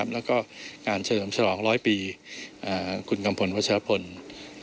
แล้วก็การเสริมฉลอง๑๐๐ปีคุณกำพลวัชฌาพนธ์